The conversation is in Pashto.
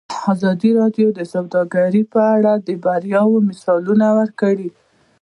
ازادي راډیو د سوداګري په اړه د بریاوو مثالونه ورکړي.